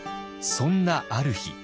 そんなある日。